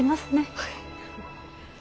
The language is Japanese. はい。